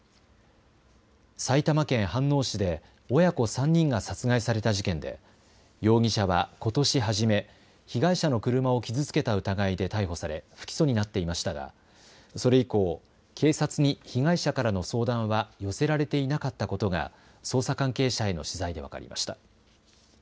埼玉県飯能市で親子３人が殺害された事件で容疑者は、ことし初め被害者の車を傷付けた疑いで逮捕され不起訴になっていましたがそれ以降警察に被害者からの相談は寄せられていなかったことが捜査関係者への取材で分かりました。